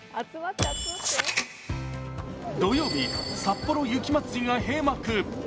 土曜日、さっぽろ雪まつりが閉幕。